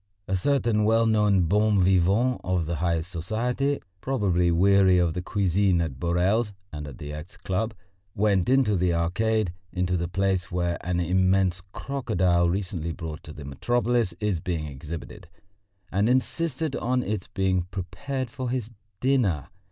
A certain well known bon vivant of the highest society, probably weary of the cuisine at Borel's and at the X. Club, went into the Arcade, into the place where an immense crocodile recently brought to the metropolis is being exhibited, and insisted on its being prepared for his dinner.